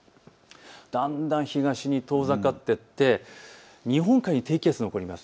だんだん東に遠ざかっていって日本海に低気圧が残ります。